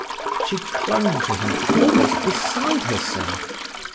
She clung to him, almost beside herself.